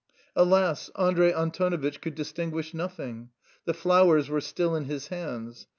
Alas! Andrey Antonovitch could distinguish nothing: the flowers were still in his hands.